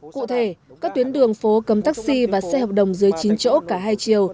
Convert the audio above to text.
cụ thể các tuyến đường phố cấm taxi và xe hợp đồng dưới chín chỗ cả hai chiều